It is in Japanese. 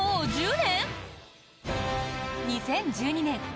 ２０１２年